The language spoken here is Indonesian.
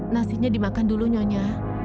nasinya dimakan dulu nyonya